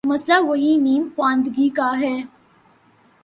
مسئلہ وہی نیم خواندگی کا ہے۔